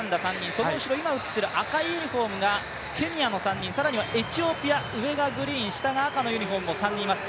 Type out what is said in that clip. その後ろ、赤いユニフォームがケニアの３人更にはエチオピア、上がグリーン、赤のユニフォームが３人います。